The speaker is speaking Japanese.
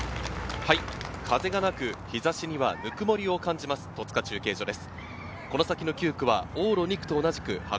風がなく、日差しにはぬくもりを感じます、戸塚中継所です。